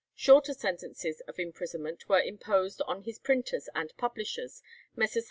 Shorter sentences of imprisonment were imposed on his printers and publishers, Messrs.